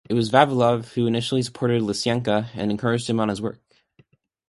It was Vavilov who initially supported Lysenko and encouraged him on his work.